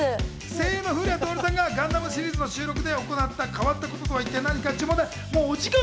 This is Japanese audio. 声優の古谷徹さんがガンダムシリーズの収録で行った、変わったこととは一体何でしょうか？